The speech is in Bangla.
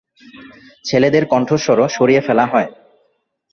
ছেলেদের কণ্ঠস্বরও সরিয়ে ফেলা হয়।